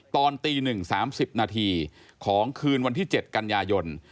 ตอนตี๑๓๐นาทีของคืนวันที่๗กันยายน